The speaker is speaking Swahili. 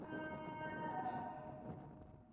Mwaka elfumoja miatisa sitini na tisa Kutokana ndani